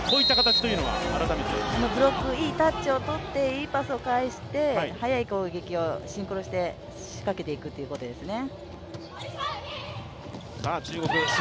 ブロック、いいタッチをとって、いい返しをして、速い攻撃をシンクロして、仕掛けていくということですね。